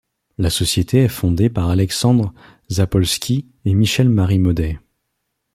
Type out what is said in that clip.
La société est fondée par Alexandre Zapolsky et Michel-Marie Maudet.